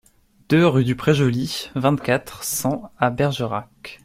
deux rue du Pré Joli, vingt-quatre, cent à Bergerac